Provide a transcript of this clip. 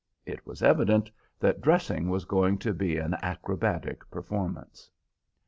It was evident that dressing was going to be an acrobatic performance.